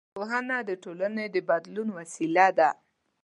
پوهنه د ټولنې د بدلون وسیله ده